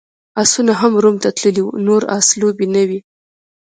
اسونه هم روم ته تللي وو، نور اس لوبې نه وې.